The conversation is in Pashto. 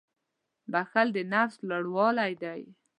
• بښل د نفس لوړوالی دی.